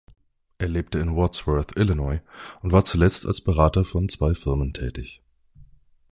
Er lebte in Wadsworth, Illinois, und war zuletzt als Berater von zwei Firmen tätig.